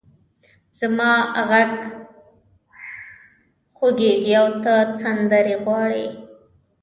زما غږ خوږېږې او ته سندرې غواړې!